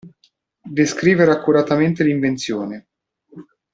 Descrivere accuratamente l'invenzione.